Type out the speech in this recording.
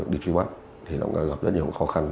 đi truy bắt thì nó gặp rất nhiều khó khăn